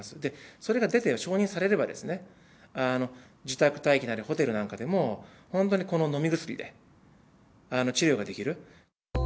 それが出て、承認されれば、自宅待機なりホテルなんかでも、本当にこの飲み薬で治療ができる。